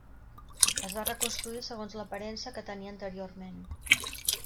Es va reconstruir segons l'aparença que tenia anteriorment.